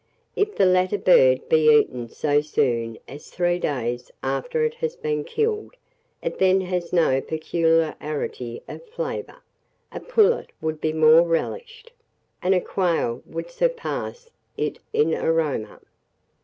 If the latter bird be eaten so soon as three days after it has been killed, it then has no peculiarity of flavour; a pullet would be more relished, and a quail would surpass it in aroma.